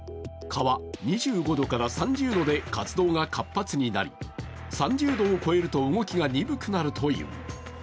蚊は２５度から３０度で活動が活発になり３０度を超えると動きが鈍くなるという。